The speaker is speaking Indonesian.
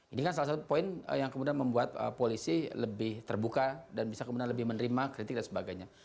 ini kan salah satu poin yang kemudian membuat polisi lebih terbuka dan bisa kemudian lebih menerima kritik dan sebagainya